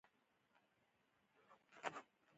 هغه د یوازیتوب احساس کوي.